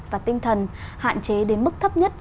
và tinh thần hạn chế đến mức thấp nhất